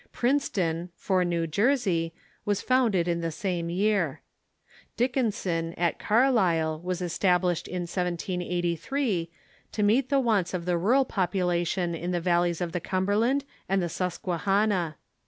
Princeton, for New .Jersey, was founded in the same year. Dickinson, at Carlisle, was established in 1783, to meet the wants of the rural population in the valleys of^the Cumberland and the Susquehanna.